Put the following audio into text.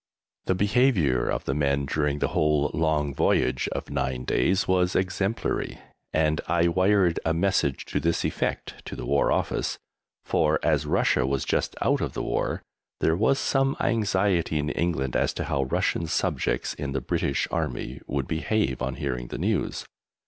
The behaviour of the men during the whole long journey of nine days was exemplary, and I wired a message to this effect to the War Office, for, as Russia was just out of the War, there was some anxiety in England as to how Russian subjects in the British Army would behave on hearing the news.